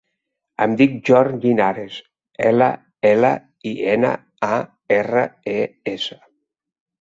Em dic Bjorn Llinares: ela, ela, i, ena, a, erra, e, essa.